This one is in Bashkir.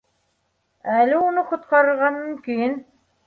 Әле уны ҡотҡарырға мөмкин